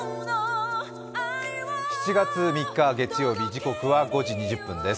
７月３日月曜日、時刻は５時２０分です。